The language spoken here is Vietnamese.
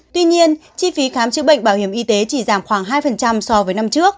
tuy nhiên chi phí khám chữa bệnh bảo hiểm y tế chỉ giảm khoảng hai so với năm trước